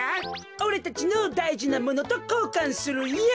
おれたちのだいじなものとこうかんするよ。